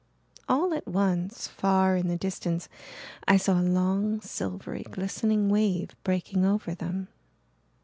All at once, far in the distance, I saw a long, silvery, glistening wave breaking over them.